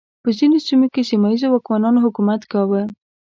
په ځینو سیمو کې سیمه ییزو واکمنانو حکومت کاوه.